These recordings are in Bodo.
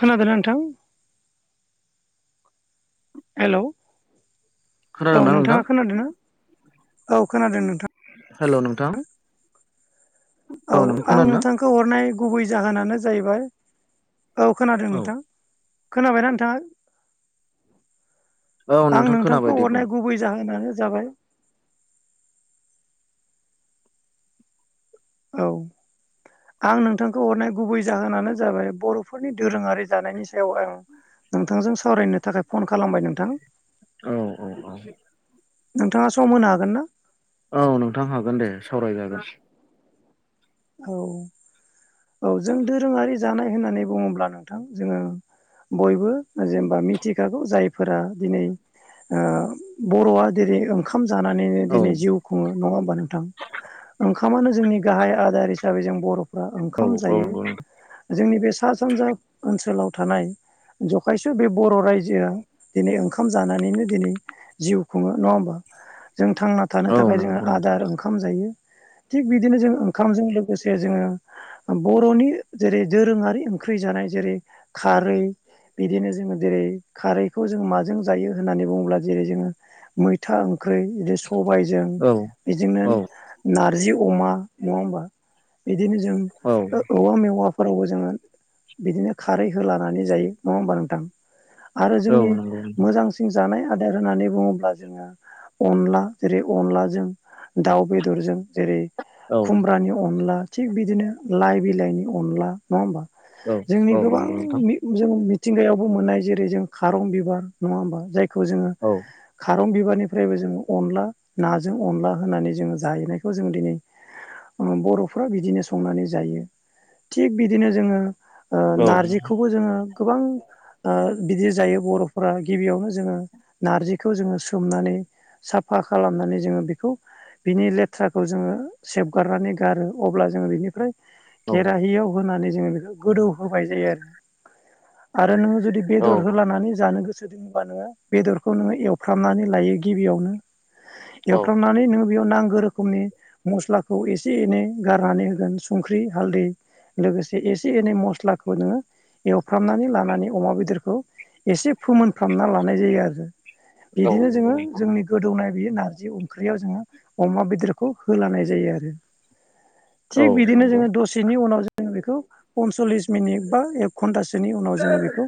खोनादों ना नोंथां? हेलौ औ खोनादोंना नोंथां नोंथाङा खोनादोंना? औ खोनादों नोंथां। हेल' नोंथां औ नों आं खोनादोंना नोंथांखौ हरनाय गुबै जाहोनानो जाहैबाय औ खोनादों औ नोंथां खोनाबायना नोंथाङा। औ आं नोंथां खोनाबाय नोंथांखौ दे बुं हरनाय गुबै जाहोनानो जाबाय औ आं नोंथांखौ हरनाय गुबै जाहोनानो जाबाय बर'फोरनि दोरोङारि जानायनि सायाव आं नोंथांजों सावरायनो थाखाय फन खालामबाय नोंथां औ औ औ नोंथाङा सम होनो हागोन ना औ नोंथां हागोन दे। सावरायजागोन औ औ जों दोरोङारि जानाय होननानै बुङोब्ला नोंथां जोङो बयबो जेनेबा मिथिखागौ जायफोरा दिनै बर'आ जेरै ओंखार ओंखाम जानानैनो औ दिनै जिउ खुङो नङा होमबा नोंथां ओंखामानो जोंनि गाहाय आदार हिसाबै जों बरफोरा औ ओंखाम औ जायो नंगौ नोंथां जोंनि सा सानजा ओनसोलाव थानाय जखायस' बे बर' रायजोआ दिनै ओंखाम जानानैनो दिनै जिउ खुङो नङा होमबा। जों थांना थानो औ थाखाय जोङो नंगौ नोंथां आदार ओंखाम जायो थिग बिदिनो जों ओंखामजों लोगोसे जोङो बर'नि जेरै दोरोङारि ओंख्रि जानाय जेरै खारै बिदिनो जोङो जेरै खारैखौ जों माजों जायो होननानै बुङोब्ला जेरै जोङो मैथा ओं ओंख्रि बिदि सबायजों औ बिदिनो औ नारजि अमा नङा होमबा। बिदिनो जों औ औवा मेवा फोरावबो जोङो बिदिनो खारै होलानानै जायो नङा होमबा नोंथां। आरो औ जोंनि नंगौ नोंथां मोजांसिन जानाय आदार होननानै बुङोब्ला जोङो अनला जेरै अनलाजों दाउ बेदरजों जेरै औ खुमब्रानि अनला थिग बिदिनो लाइ बिलाइनि अनला नङा होमबा। औ जोंनि औ गोबां नंगौ नोंथां जों मि मिथिंगायावबो मोननाय जेरै जों खारं बिबार नङा होमबा जायखौ औ जोङो बिबारनिफ्रायबो जों अनला नाजों अनला होनानै जोङो जाहैनायखौ जों दिनै बर'फ्रा बिदिनो संनानै जायो थिग बिदिनो जोङो ओ औ नारजिखौबो जोङो गोबां बिदि जायो बर'फोरा गिबियावनो जोङो नारजिखौ जोङो सोमनानै साफा खालामनानै जोङो बेखौ बिनि लेथ्राखौ जोङो सेब हगारनानै गारो अब्ला जोङो बिनिफ्राय खेराहियाव होनानै जोङो बेखौ गोदौ होबाय जायो आरो। नोङो जुदि औ बेदर होलानानै जानो गोसो दोंबा नोङो बेदरखौ नोङो एवफ्रामनानै लायो गिबियावनो एवफ्रामनानै नोङो बेयाव नांगौ रोखोमनि मस्लाखौ एसे एनै गारनानै होगोन संख्रि हालदै लोगोसे एसे एनै मस्लाखौ नोङो एवफ्रामनानै लानानै अमा बेदरखौ एसे फोमोनफ्रामना लानाय जायो आरो बिदिनो नंगौ जोङो नोंथां जोंनि गोदौनाय बेयो नारजि ओंख्रियाव जोङो अमा बेदरखौ होलानाय जायो आरो औ थिग बिदिनो नंगौ जोङो दसेनि उनाव जों बेखौ पनस्लिस मिनिट बा एक घन्टासोनि उनाव जोङो बेखौ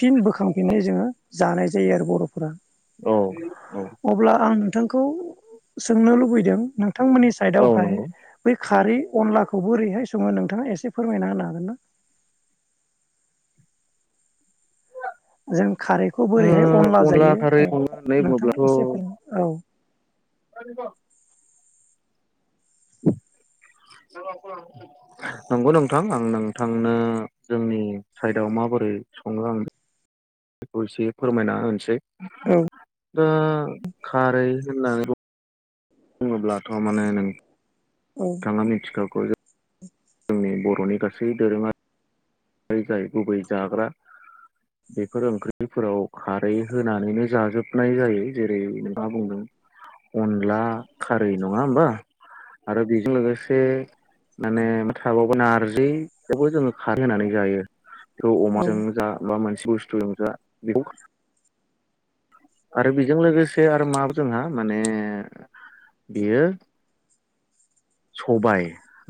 फिन बोखांफिननाय जोङो जानाय जायो आरो बर'फोरा औ अब्ला आं नोंथांखौ सोंनो लुबैदों नोंथांमोननि औ साइदआवहाय नंगौ बै खारै अनलाखौ बोरैहाय सङो नोंथाङा एसे फोरमायना होनो हागोन ना जों खारैखौ ओ बोरैहाय अनला जायो खारै संनो होननानै नोंथाङा बुङोब्लाथ' एसे फोर औ [unintelligible] [inaudible] नंगौ नोंथां आं नोंथांनो जोंनि साइदआव मा माबोरै संओ आं बेखौ एसे फोरमायना होनोसै औ दा खारै [inaudible] बुङोब्लाथ' माने नों औ थांङा मोनथिखागौ जोंनि बर'नि गासै दोरोङा जै जाय गुबै जाग्रा बेफोर ओंख्रिफोराव खारै होनानैनो जाजोबनाय जायो जेरै नोंथाङा बुंदों अनला खारै नङा होमबा आरो बेजों लोगोसे माने थाबावोन नारजिखौबो जोङो खारै होनानै जायो बेखौ औ अमाजों जा बा मोनसे बुथुजों जा बेखौ आरो बेजों लोगोसे आरो मा जोंहा माने बियो सबाय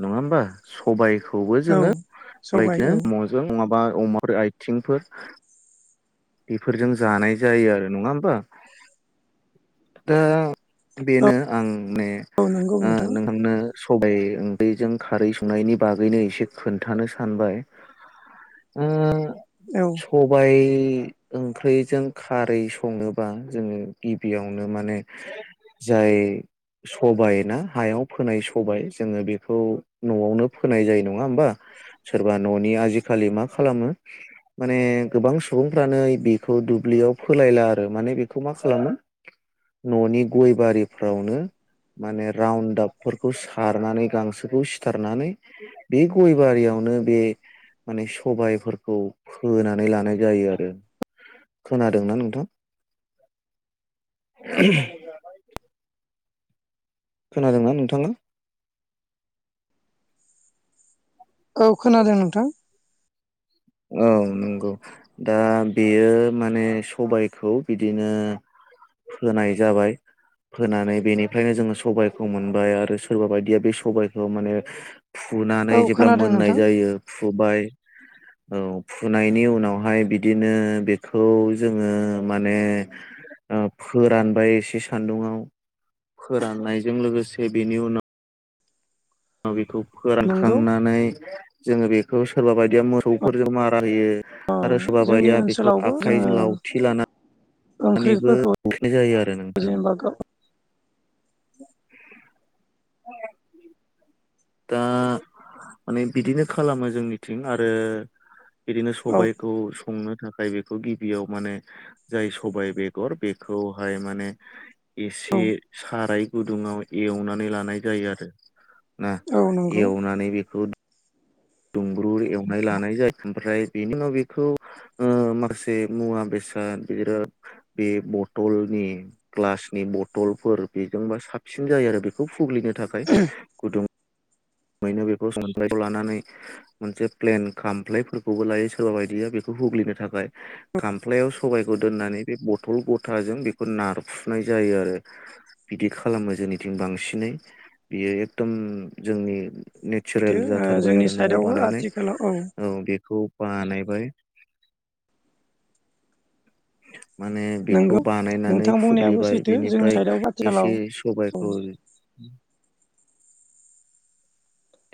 नङा होमबा सबाय खौबो औ जोङो सबाय औ [unintelligible] मजों नङाबा अमाफोर आइथिंफोर बेफोरजों जानाय जायो आरो नङा होमबा? दा औ बेनो आं माने औ नंगौ ओ नोंथां नोंथांनो सबाय ओंख्रैजों खारै संनायनि बागैनो इसे खोन्थानो सानबाय उ औ सबाय ओंख्रिजों खारै सङोबा जोङो गिबियावनो माने जाय सबाय ना हायाव फोनाय सबाय जोङो बेखौ न'आवनो फोनाय जायो नङा होमबा सोरबा न'नि आजिखालि मा खालामो माने गोबां सुबुं फ्रानो बेखौ दुब्लियाव फोलायला आरो माने बेखौ मा खालामो न'नि गय बारिफ्रावनो माने रान्डआपफोरखौ सारनानै गांसोखौ सिथारनानै बे गय बारियाव नो बे माने सबबायफोरखौ फोनानै लानाय जायो आरो [unintelligible] खोनादोंना नोंथां? [unintelligible] खोनादोंना नोंथाङा? औ खोनादों नोंथां। औ नोंगौ दा बेयो माने सबायखौ बिदिनो। फोनाय जाबाय। फोनानै बेनिफ्रायनो जोङो सबायखौ मोनबाय आरो सोरबा बायदिया बे सबायखौ माने। फुनानै औ जेब्ला खोनादों मोननाय नोंथां जायो फुबाय। औ फुनायनि उनावहाय बिदिनो बेखौ जोङो माने आ फोरानबाय एसे सान्दुं आव फोराननायजों लोगोसे बेनि उनाव। ओ बेखौ नंगौ फोरानखांनानै जोङो बेखौ सोरबा बायदिया मोसौफोरजों मारा। होयो आरो जोंनि सोरबाबायोया बेखौ ओनसोलावबो जोङो आखाइजों लावथि लाना सानैबो ओंख्रिफोरखौ [unintelligible] जायो आरो नोंथां। जेनेबा गाव [unintelligible] दा माने बिदिनो खालामो जोंनिथिं आरो बिदिनो औ सबायखौ संनो थाखाय बेखौ गिबियाव माने जाय सबाय बेगर बेखौहाय माने औ एसे साराय गुदुङाव एवनानै लानाय जायो आरो। ना औ नंगौ एवनानै बेखौ [inaudible] दुंब्रुर एवनाय लानाय जायो ओमफ्राय बेनि उनाव बेखौ ओ माखासे मुवा बेसाद गिदिर। ओ बे बथलनि ग्लासनि बथलफोर बेजोंबा साबसिन जायो आरो। बेखौ फुग्लिनो थाखाय गुदुं बायनो बेखौ [unintelligible] लानानै मोनसे प्लेन खामफ्लायफोरखौबो लायो सोरबा बायदिया बेखौ हुग्लिनो थाखाय खामफ्लायाव स सबायखौ दोन्नानै बे बथल गथाजों बेखौ नारफुनाय जायो आरो बिदि खालामो जोंनिथिं बांसिनै बियो एकदम जोंनि नेचारेल सैथो जाथारबाय जोंनि आरो न'आव साइडआवबो बानायनाय आथिखालाव औ बेखौ। बानायबाय [inaudible] माने बेखौ नंगौ बानायनानै नोंथां बुंनायाबो फुग्लिबाय सैथो जोंनि बेनिफ्राय साइडआव आथिखालाव एसे औ सबाइखौ उम।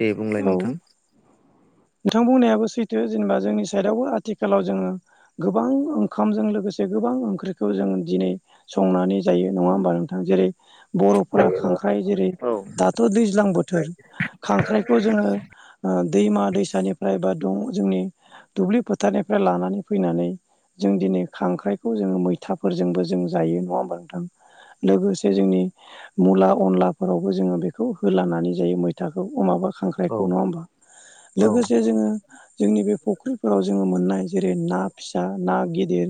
दे बुंलाय औ नोंथां नोंथां बुंनायाबो सैथो। थो जेनेबा जोंनि साइडआवबो आथिखालाव जोङो गोबां ओंखामजों लोगोसे गोबां ओंख्रिखौ जों। दिनै संनानै जायो नङा होमबा नोंथां जेरै। बर'फोरा औ खांख्राइ जेरै दाथ' दैज्लां बोथोर खांख्राइ। खौ जोङो ओ दैमा दैसानिफ्राय बा। दं जोंनि दुब्लि फोथारनिफ्राय लानानै फैनानै। जों दिनै खांख्राइखौ जोङो मैथाफोरजोंबो जों जायो नङा होमबा नोंथां। लोगोसे जोंनि मुला अनलाफोरावबो जोङो बेखौ होलानानै जायो मैथाखौ अ माबा। औ खांख्राइखौ नङा होमबा औ लोगोसे जोङो जोंनि बे फुख्रिफोराव जोङो मोन। मोननाय जेरै ना फिसा ना गिदिर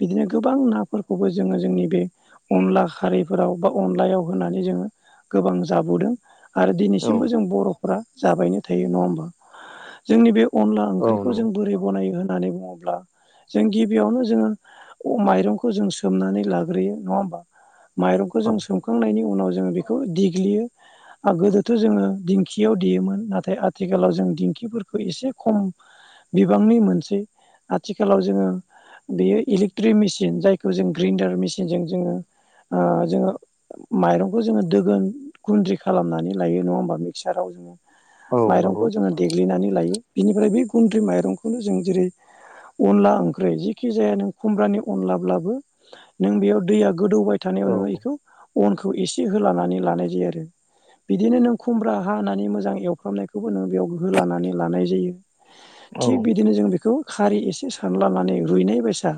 बिदिनो गोबां नाफोरखौबो जोङो जोंनि बे। अनला खारैफोराव बा अनलायाव होनानै जोङो गोबां जाबोदों। आरो औ दिनैसिमबो जों बर'फोरा जाबायनो थायो नङा होमबा जोंनि बे। अनला औ ओंख्रिखौ नंगौ जों बोरै बनायो होननानै बुङोब्ला। जों गिबियावनो जोङो माइरंखौ जों सोमनानै लाग्रोयो नङा होमबा? माइरंखौ औ जों सोमखांनायनि उनाव जोङो बेखौ देग्लियो आ गोदोथ' जोङो दिं खियाव देयोमोन नाथाय आथिखालाव जों दिंखिफोरखौ एसे खम बिबांनि मोनसेै आथिखालाव जोङो। बेयो इलेक्ट्रिक मेसिन जायखौ जों ग्रेन्डार मेसिनजों जोङो। ओ जोङो माइरंखौ जोङो दोगोन गुन्द्रि खालामनानै लायो नङा होमबा। साराव जोङो औ माइरंखौ नंगौ जोङो देग्लिनानै लायो। बिनिफ्राय बे गुन्द्रि माइरंखौनो जों जेरै। अनला ओंख्रि जिखि जाया नों खुमब्रानि अनलाब्लाबो नों बेयाव दैया। गोदौबाय थानायाव औ नोङो इखौ अनखौ एस होलानानै लानाय जायो आरो बिदिनो नों खुमब्रा हा होनानानै मोजां एवफ्रामनायखौबो नोङो बेयाव होलानानै लानाय जायो। औ थिग बिदिनो जों बेखौ खारि एसे सारलानानै रुइनाय बायसा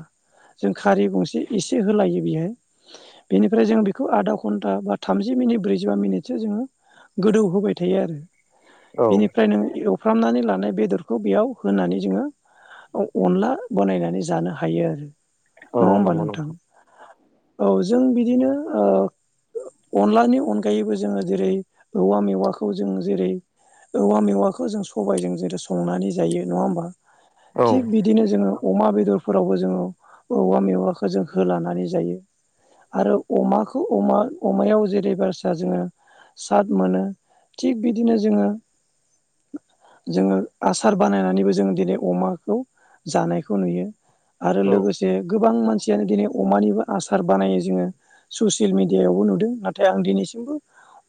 जों खारि गंसे एसे होलायो बेयो बेनिफ्राय जों बेखौ आधा घन्टा बा थामजि मिनिट ब्रैजिबा मिनिटसो जोङो गोदौ होबाय। थायो आरो औ बेनिफ्राय नों एवफ्रामनानै लानाय। बेदरखौ बेयाव होनानै जोङो अनला बानायनानै जानो हायो आरो। नङा औ होमबा नंगौ नोंथां। औ जों बिदिनो ओ अनलानि अनगायैबो जोङो जेरै औवा मेवा खौ जों जेरै औवा मेवाखो जों सबाइजों जेरै संनानै जायो नङा होमबा? औ थिग बिदिनो जोङो अमा बे दरफोरावबो जोङो औवा मेवाखौ जों होलानानै जायो। आरो अमाखौ अमा अमायाव जेरै बारसा जोङो साद मोनो। थिग बिदिनो जोङो। जोङो आसार बानायनानैबो जोङो दिनै अमाखौ जानायखौ नुयो। आरो औ लोगोसे गोबां मानसियानो दिनै अमानिबो आसार बानायो जोङो। ससियेल मिडियायावबो नुदों नाथाय आं दिनैसिमबो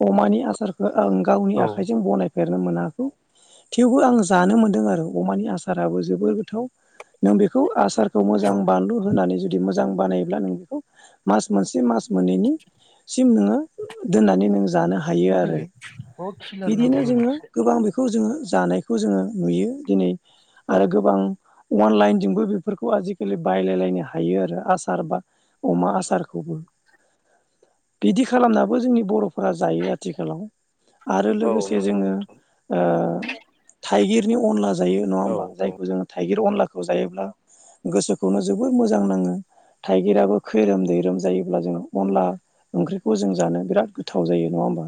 अमानि आसार आं गावनि आखाइजों बनाय फेरनो मोनाखौ थेवबो आं जानो मोनदों आरो अमानि आसाराबो जोबोर गोथाव। नों बेखौ आसार खौ मोजां बानलु होननानै जुदि मोजां बानायोब्ला नों बिखौ मास मोनसे मास मोननैनि सिम नोङो दोननानै नों जानो हायो मा आरो‌। जायो बहुद खिलार बिदिनो नांगौ जोङो मोनसे गोबां बेखौ जोङो जानायखौ जोङो नुयो दिनै। औ आरो गोबां अनलाइनजोंबो बेफोरखौ आजिखालि बायलायलायनो हायो आरो आसार बा अमा आसारखौबो। बिदि खालामनाबो जोंनि बरफोरा जायो आथिखाला आरो औ लोगोसे नंगौ जोङो नोंथां ओ थाइगिरनि अनलाज जायो नङा औ होमबा जायखौ जोङो थाइगिर अनलाखौ जायोब्ला गोसोखौनो जोबोर मोजां नाङो। थाइगिराबो खैरोम दैैरोम जायोब्ला जों अनला ओंख्रिखौ जों जानो बिराद गोथाव जायो नङा होमबा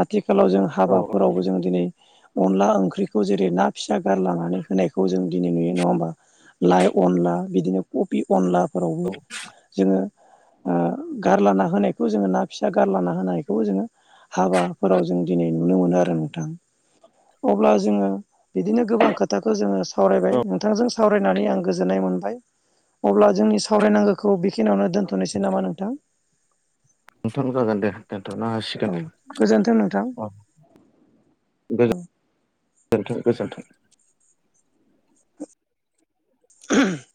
आथिखालाव जों औ हाबाफोरावबो नंगौ जों दिनै। अनला ओंख्रिखौ जेरै ना फिसा गारलानानै होनायखौ जों दिनै नुयो नङा होमबा। लाइ अनला बिदिनो कफि अनला फोरावबो औ जोङो ओ गारलाना होनायखौ जोङो ना फिसा गारलाना होनायखौबो जोङो हाबा फोराव जों दिनै नुनो मोनो आरो नोंथां अब्ला जोङो बिदिनो गोबां खोथाखो जोङो सावरायबाय औ नोंथांजों। सावरायनानै आं गोजोननाय मोनबाय अब्ला जोंनि सावरायनांगोखौ बेखिनियावनो दोन। थनोसै नामा नोंथां। नोंथां जागोन दे थांनो हासिगोन औ गोजोन्थों नोंथां अ औ गोजो गोजोन्थों गोजोन्थों। [inaudible]